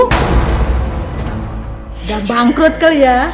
udah bangkrut kali ya